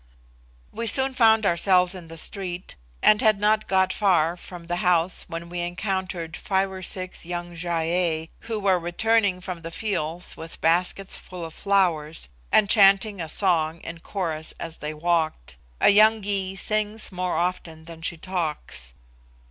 We soon found ourselves in the street, and had not got far from the house when we encountered five or six young Gy ei, who were returning from the fields with baskets full of flowers, and chanting a song in chorus as they walked. A young Gy sings more often than she talks.